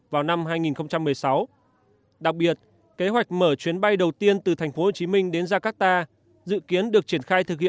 và quốc gia phát triển của quốc gia phát triển của quốc gia